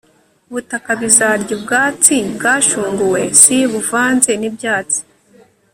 ubutaka bizarya ubwatsi bwashunguwe s buvanze n ibyatsi